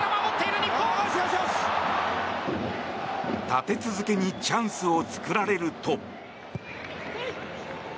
立て続けにチャンスを作られると。